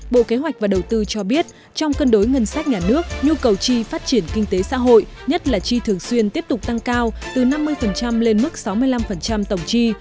bộ kế hoạch và đầu tư cho biết trong cân đối ngân sách nhà nước nhu cầu chi phát triển kinh tế xã hội nhất là chi thường xuyên tiếp tục tăng cao từ năm mươi lên mức sáu mươi năm tổng chi